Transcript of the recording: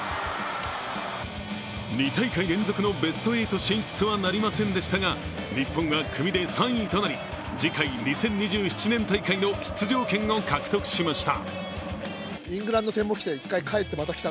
２大会連続のベスト８進出はなりませんでしたが日本は組で３位となり、次回２０２７年大会の出場権を獲得しました。